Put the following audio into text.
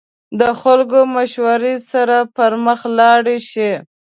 د خلکو مشورې سره پرمخ لاړ شئ.